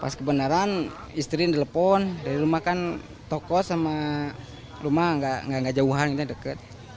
pas kebenaran istrinya telepon dari rumah kan toko sama rumah gak jauhan deket